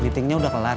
meetingnya udah kelar